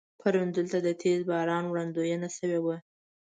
پرون دلته د تیز باران وړاندوينه شوې وه.